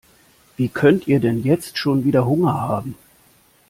Wie könnt ihr denn jetzt schon wieder Hunger haben?